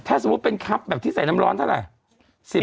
ถ้าสมมุติเป็นคับแบบที่ใส่น้ำร้อนเท่าไหร่